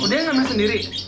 oh dia yang ambil sendiri